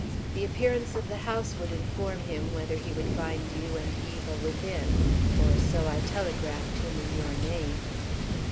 The appearance of the house would inform him whether he would find you and Eva within; or so I telegraphed him in your name.